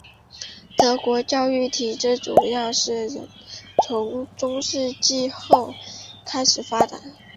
德国教育体制主要是从中世纪后开始发展。